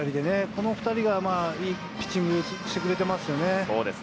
この２人がいいピッチングをしてくれてますよね。